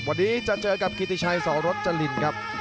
วันนี้จะเจอกับกิติชัยสรจรินครับ